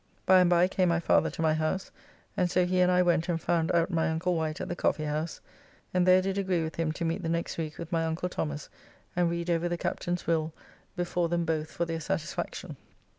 By and by came my father to my house, and so he and I went and found out my uncle Wight at the Coffee House, and there did agree with him to meet the next week with my uncle Thomas and read over the Captain's will before them both for their satisfaction.